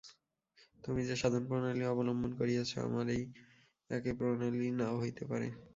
তুমি যে সাধন-প্রণালী অবলম্বন করিয়াছ, আমার সেই একই প্রণালী নাও হইতে পারে।